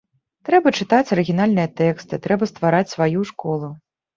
Трэба чытаць арыгінальныя тэксты, трэба ствараць сваю школу.